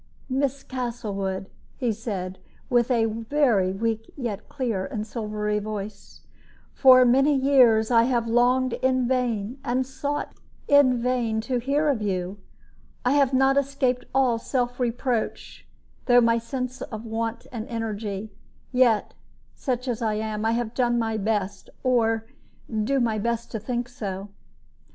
"Miss Castlewood," he said, with a very weak yet clear and silvery voice, "for many years I have longed in vain and sought in vain to hear of you. I have not escaped all self reproach through my sense of want of energy; yet, such as I am, I have done my best, or I do my best to think so."